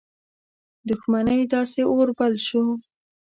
دښمنۍ داسي اور بل شو.